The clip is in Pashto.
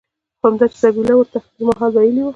خو همدا چې ذبيح الله ورته زما حال ويلى و.